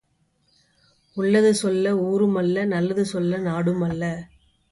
உள்ளது சொல்ல ஊருமல்ல, நல்லது சொல்ல நாடுமல்ல!